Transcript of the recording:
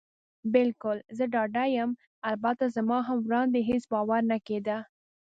بلکل، زه ډاډه یم. البته زما هم وړاندې هېڅ باور نه کېده.